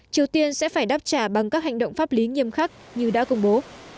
triều tiên sẽ phải đáp trả bằng các hành động pháp lý nghiêm khắc như đã công bố